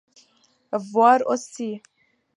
Voir aussi.